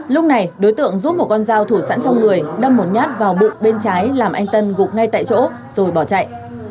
lúc này đối tượng giúp một con dao thủ sẵn trong người đâm một nhát vào bụng bên trái làm anh tân gục ngay tại chỗ rồi bỏ chạy